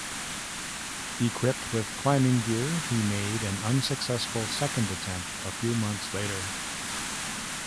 Equipped with climbing gear, he made an unsuccessful second attempt a few months later.